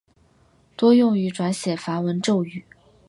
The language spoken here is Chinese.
多用于转写梵文咒语。